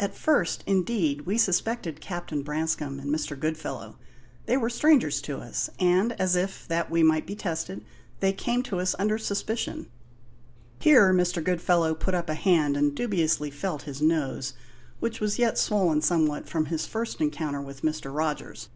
At first, indeed, we suspected Captain Branscome and Mr. Goodfellow: they were strangers to us, and, as if that we might be tested, they came to us under suspicion." Here Mr. Goodfellow put up a hand and dubiously felt his nose, which was yet swollen somewhat from his first encounter with Mr. Rogers.